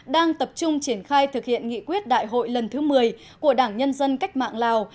đang tập trung triển khai thực hiện nghị quyết đại hội lần thứ một mươi của đảng nhân dân cách mạng lào